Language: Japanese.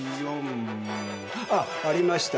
あっありました。